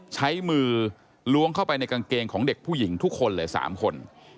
ใช้มือล้วงเข้าไปในกางเกงของเด็กผู้หญิงทุกคนเลย๓คน